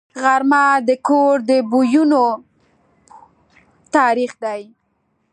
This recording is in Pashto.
غرمه د کور د بویونو تاریخ دی